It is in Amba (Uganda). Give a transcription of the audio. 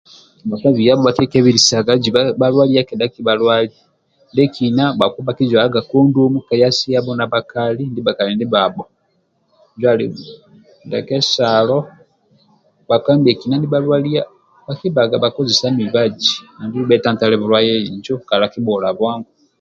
Bhakpa biabho bhakiekebelisaga ziba bhalwalia kedha kabhalwali bhekina bhakizwalaga kondomu kaya siya na bhakali ndibhakali ndibhabho ndia kesalo bhakpa ndibhetolo ndibhalwalia bhakibalaga bhakozese mibaji andulu bhetantale bulwaye injo kala kibhuola bwangu